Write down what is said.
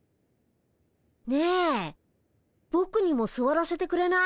ねえぼくにもすわらせてくれない？